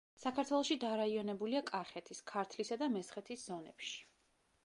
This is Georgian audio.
საქართველოში დარაიონებულია კახეთის, ქართლისა და მესხეთის ზონებში.